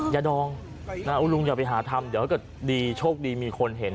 อย่าดองลุงอย่าไปหาทำเดี๋ยวก็ดีโชคดีมีคนเห็น